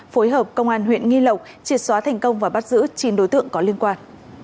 phối hợp công an huyện nghi lộc triệt xóa thành công và bắt giữ chín đối tượng có liên quan